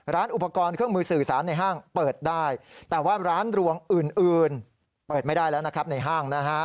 ร้านอุปกรณ์เครื่องมือสื่อสารในห้างเปิดได้แต่ว่าร้านรวงอื่นเปิดไม่ได้แล้วนะครับในห้างนะฮะ